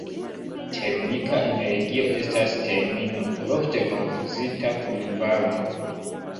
Termika energio estas termino ofte konfuzita kun varmo.